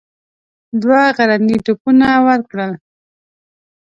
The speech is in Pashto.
دوه غرني توپونه ورکړل.